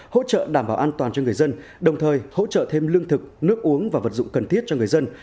hỗ trợ đảm bảo an toàn cho người dân đồng thời hỗ trợ thêm lương thực nước uống và vật dụng cần thiết cho người dân